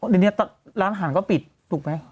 เดี๋ยวนี้ร้านอาหารก็ปิดถูกไหม